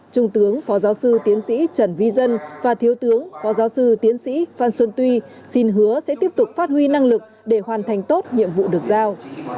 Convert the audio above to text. trung tướng phó giáo sư tiến sĩ trần vi dân và thiếu tướng phó giáo sư tiến sĩ phan xuân tuy xin hứa sẽ tiếp tục phát huy năng lực để hoàn thành tốt nhiệm vụ được giao